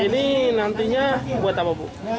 ini nantinya buat apa bu